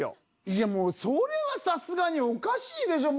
いやもうそれはさすがにおかしいでしょ。